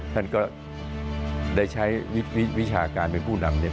ท่านก็ได้ใช้วิชาการเป็นผู้นำเนี่ย